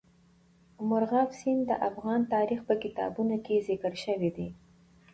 مورغاب سیند د افغان تاریخ په کتابونو کې ذکر شوی دی.